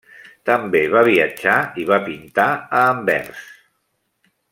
També va viatjar i va pintar a Anvers.